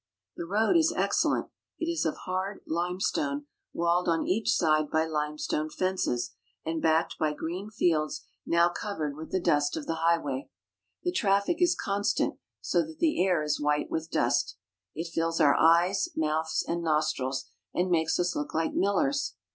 The road is excellent. It is of hard limestone walled on each side by limestone fences and backed by green fields now covered with the dust of the highway. The traffic is constant, so that the air is white with dust. It fills our eyes, mouths, and nostrils, and makes us look like millers.